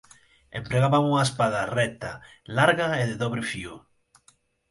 Empregaban unha espada recta, larga e de dobre fío